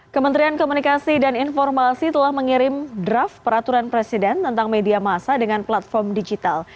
kementerian komunikasi dan informasi telah mengirim draft peraturan presiden tentang media masa dengan platform digital